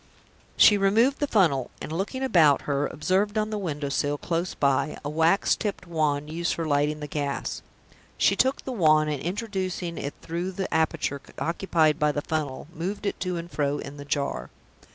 She removed the funnel; and, looking about her, observed on the window sill close by a wax tipped wand used for lighting the gas. She took the wand, and, introducing it through the aperture occupied by the funnel, moved it to and fro in the jar.